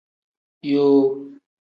Yoo.